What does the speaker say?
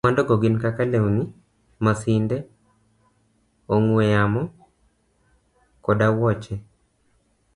Mwandugo gin kaka lewni, masinde, ong'we yamo, koda wuoche.